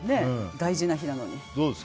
大事な日なのに。